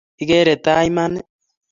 Ikere tai iman ii?